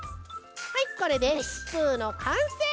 はいこれでスプーンのかんせい！